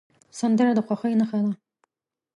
سندره د خوښۍ نښه ده